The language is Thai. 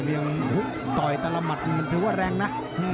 แต่มียังต่อยแต่ละมัดมันถือว่าแรงนะ